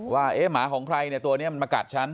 ว่าหมาของใครเนี่ยตัวนี้มันมากัดฉัน